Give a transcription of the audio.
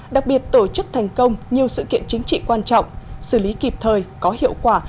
đặc biệt tổ chức thành công nhiều sự kiện chính trị quan trọng xử lý kịp thời có hiệu quả